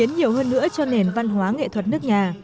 nhiều hơn nữa cho nền văn hóa nghệ thuật nước nhà